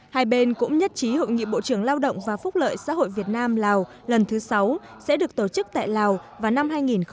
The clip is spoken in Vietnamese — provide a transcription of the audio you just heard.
hai bên cũng nhất trí hội nghị bộ trưởng lao động và phúc lợi xã hội việt nam lào lần thứ sáu sẽ được tổ chức tại lào vào năm hai nghìn hai mươi